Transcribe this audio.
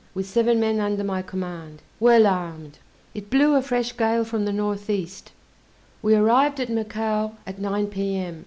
with seven men under my command, well armed. It blew a fresh gale from the N. E. We arrived at Macao at 9 P.M.